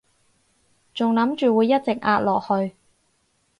仲諗住會一直壓落去